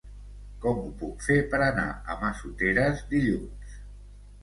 Com ho puc fer per anar a Massoteres dilluns?